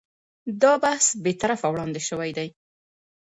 دا بحث بې طرفه وړاندې شوی دی.